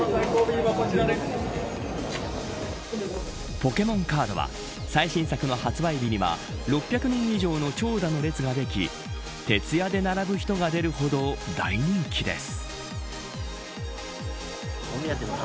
ポケモンカードは最新作の発売日には６００人以上の長蛇の列ができ徹夜で並ぶ人が出るほど大人気です。